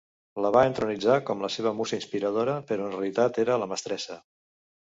La va entronitzar com la seva musa inspiradora, però en realitat era la mestressa.